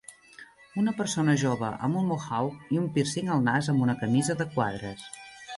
Una persona jove amb un Mohawk i un pírcing al nas amb una camisa de quadres.